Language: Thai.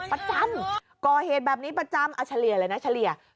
ประจำก่อเหตุแบบนี้ประจำอัชเรียเลยนะอัชเรีย